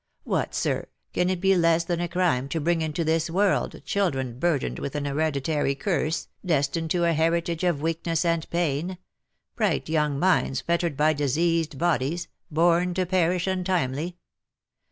What, sir_, can it be less than a crime to bring into this world children burdened with an hereditary curse, destined to a heritage of weakness and pain — bright young minds fettered by diseased bodies — born to perish untimely